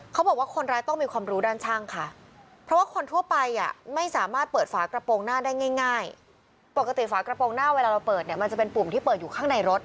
เขาบอกว่าคนร้ายต้องมีความรู้ด้านช่างค่ะเพราะว่าคนทั่วไปอ่ะไม่สามารถเปิดฝากระโปรงหน้าได้ง่ายปกติฝากระโปรงหน้าเวลาเราเปิดเนี่ยมันจะเป็นปุ่มที่เปิดอยู่ข้างในรถ